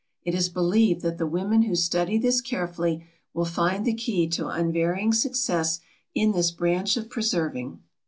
It is believed that the women who study this carefully will find the key to unvarying success in this branch of preserving.